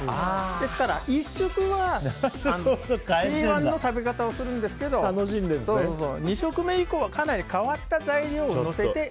ですから１食は定番の食べ方をするんですけど２食目以降はかなり変わった材料をのせて。